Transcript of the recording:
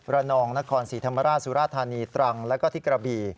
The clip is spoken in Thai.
ระนองนครสีธรรมราชสุรธานีตรังแล้วก็ธิกระบี